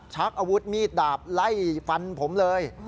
ชักอาวุธมีดดาบไล่ฟันผมเลย